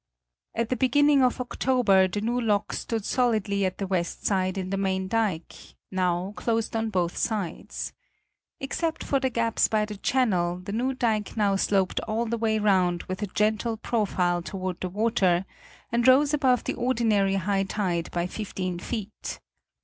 At the beginning of October, the new lock stood solidly at the west side in the main dike, now closed on both sides. Except for the gaps by the channel, the new dike now sloped all the way round with a gentle profile toward the water and rose above the ordinary high tide by fifteen feet.